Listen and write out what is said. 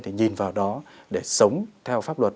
thì nhìn vào đó để sống theo pháp luật